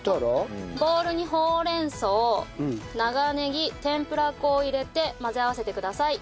ボウルにほうれん草長ネギ天ぷら粉を入れて混ぜ合わせてください。